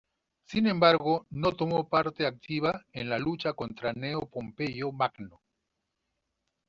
Sin embargo, no tomó parte activa en la lucha contra Cneo Pompeyo Magno.